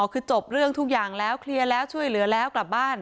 คือจบเรื่องทุกอย่างแล้วเคลียร์แล้วช่วยเหลือแล้วกลับบ้าน